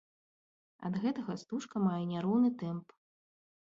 Ад гэтага стужка мае няроўны тэмп.